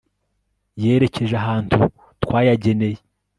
yerekeje ahantu wayageneye